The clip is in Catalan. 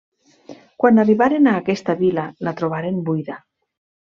Quan arribaren a aquesta vila, la trobaren buida.